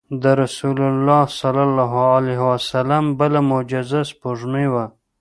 د رسول الله صلی الله علیه وسلم بله معجزه سپوږمۍ وه.